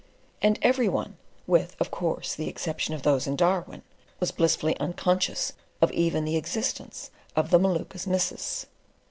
And every one, with, of course, the exception of those in Darwin, was blissfully unconscious of even the existence of the Maluka's missus.